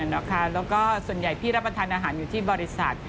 แล้วก็ส่วนใหญ่พี่รับประทานอาหารอยู่ที่บริษัท